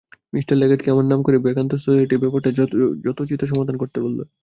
Me লেগেটকে আমার নাম করে বেদান্ত সোসাইটির ব্যাপারটার যথোচিত সমাধান করতে বল।